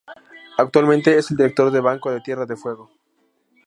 Actualmente es el director del Banco de Tierra del Fuego.